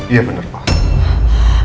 iya bener pak